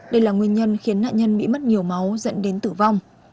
đây là nguyên nhân khiến nạn nhân bị mất nhiều máu dẫn đến tử vong